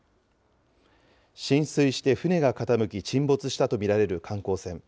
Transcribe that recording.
浸水して船が傾き、沈没したと見られる観光船。